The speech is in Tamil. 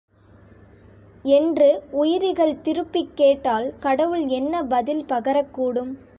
என்று உயிரிகள் திருப்பிக் கேட்டால் கடவுள் என்ன பதில் பகரக் கூடும்?